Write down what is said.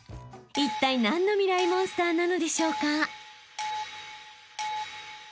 ［いったい何のミライ☆モンスターなのでしょうか？］